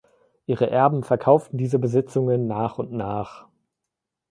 Ihre Erben verkauften diese Besitzungen nach und nach.